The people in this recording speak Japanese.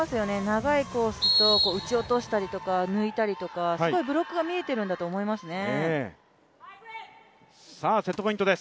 長いコースと、打ち落としたりとか抜いたりとかすごいブロックが見えてるんだと思いますね。